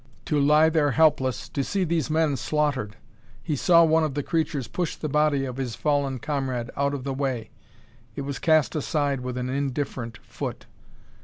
To lie there helpless, to see these men slaughtered! He saw one of the creatures push the body of his fallen comrade out of the way: it was cast aside with an indifferent foot.